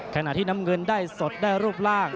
ขณะที่น้ำเงินได้สดได้รูปร่าง